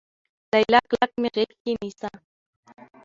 لاليه کلک مې غېږ کې نيسه